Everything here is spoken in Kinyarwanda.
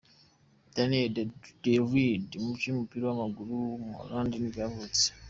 Daniël de Ridder, umukinnyi w’umupira w’amaguru w’umuholandi nibwo yavutse.